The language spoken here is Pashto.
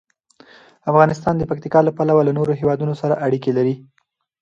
افغانستان د پکتیکا له پلوه له نورو هېوادونو سره اړیکې لري.